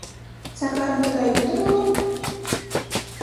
Сакарын тыгай ӱдыр уло?..